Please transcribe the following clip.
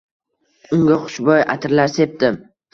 Unga xushboʻy atirlar sepdim.